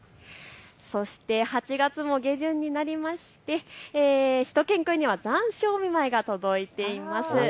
そして８月も下旬になってしゅと犬くんには残暑お見舞いが届いています。